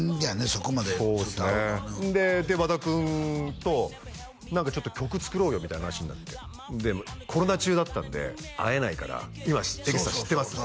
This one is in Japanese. そこまでそうですねで和田君と何か曲作ろうよみたいな話になってでコロナ中だったんで会えないから「今江口さん知ってます？」